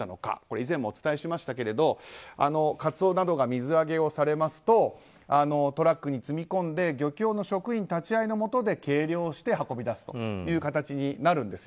以前もお伝えしましたけれどカツオなどが水揚げされますとトラックに積み込んで漁協の職員立ち会いのもとで計量をして運び出すという形になるんです。